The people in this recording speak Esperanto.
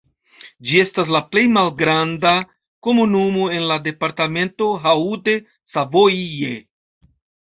Ĝi estas la plej malgranda komunumo el la departemento Haute-Savoie.